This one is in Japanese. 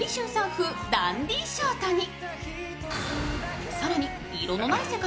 風ダンディショートに。